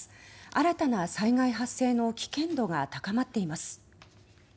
新たな災害発生の危険度が高まっています。